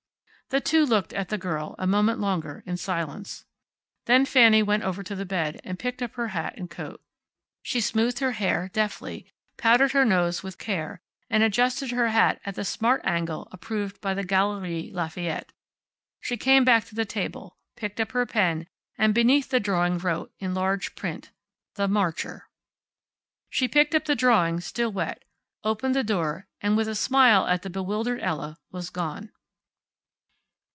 The two looked at the girl a moment longer, in silence. Then Fanny went over to the bed, and picked up her hat and coat. She smoothed her hair, deftly, powdered her nose with care, and adjusted her hat at the smart angle approved by the Galeries Lafayette. She came back to the table, picked up her pen, and beneath the drawing wrote, in large print: THE MARCHER. She picked up the drawing, still wet, opened the door, and with a smile at the bewildered Ella, was gone.